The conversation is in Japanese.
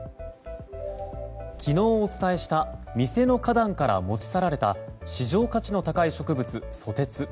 昨日お伝えした店の花壇から持ち去られた市場価値の高い植物ソテツ。